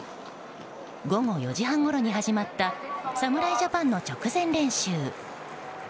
午後４時半ごろに始まった侍ジャパンの直前練習。